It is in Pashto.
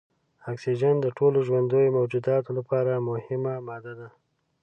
اکسیجن د ټولو ژوندیو موجوداتو لپاره مهمه ماده ده.